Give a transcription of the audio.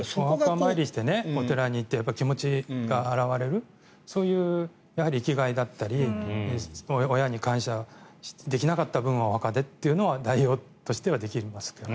お墓参りして気持ちが洗われるそういう生きがいだったり親に感謝できなかった分をお墓でっていうのは代表としてはできますが。